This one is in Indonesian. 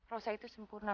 rosa itu sempurna